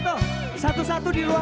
dan agama yang terinjal di felan